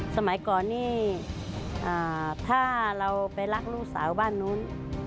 สมัยก่อนนี่ถ้าเราไปรักลูกสาวบ้านนู้น